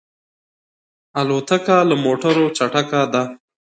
الوتکه له موټرو چټکه ده.